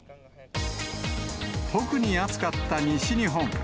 特に暑かった西日本。